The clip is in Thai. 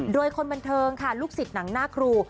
โดยคนบันเทิงลูกสิทธิ์นางนาครู